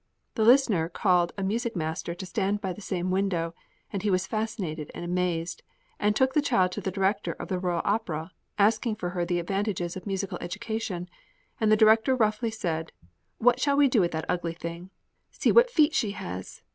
The listener called a music master to stand by the same window, and he was fascinated and amazed, and took the child to the director of the Royal Opera, asking for her the advantages of musical education, and the director roughly said: "What shall we do with that ugly thing? See what feet she has.